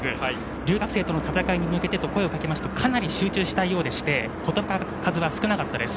留学生との戦いに向けての声を聞きますとかなり集中したいようでして言葉数は少なかったです。